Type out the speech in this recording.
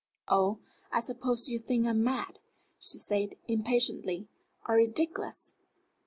"Oh, I suppose you think I'm mad," she said, impatiently, "or ridiculous.